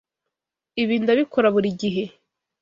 Ibi ndabikora buri gihe!